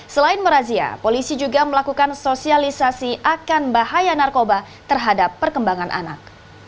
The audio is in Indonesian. selain merazia polisi juga melakukan sosialisasi akan bahaya narkoba terhadap perkembangan anak